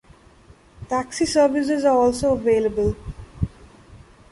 Taxi services are also available.